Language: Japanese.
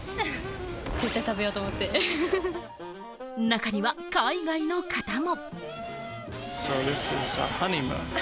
中には海外の方も。